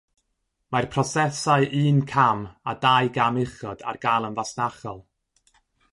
Mae'r prosesau un cam a dau gam uchod ar gael yn fasnachol.